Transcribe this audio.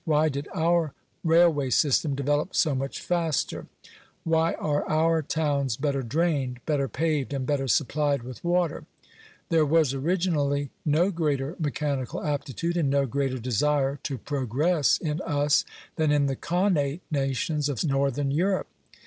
Why did our railway system develop so much faster ? Why are our towns better drained, better paved, and better supplied with water ?. There was originally no greater mechanical aptitude, and no greater desire to progress in us than in the connate nations of northern Europe.